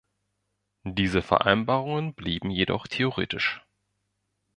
Diese Vereinbarungen blieben jedoch theoretisch.